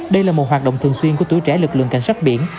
đây là một hoạt động thường xuyên của tuổi trẻ lực lượng cảnh sát biển